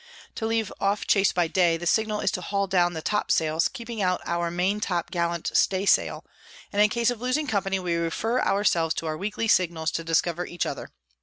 "To leave off Chase by day, the Signal is to haul down the Top sails, keeping out our Maintop gallant Stay Sail; and in case of losing Company, we refer our selves to our weekly Signals to discover each other.